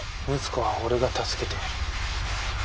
睦子は俺が助けてやる。